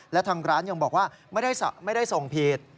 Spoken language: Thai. และทางร้านยังบอกว่าไม่ได้ส่งผิด